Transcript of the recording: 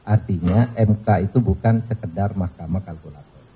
artinya mk itu bukan sekedar mahkamah kalkulator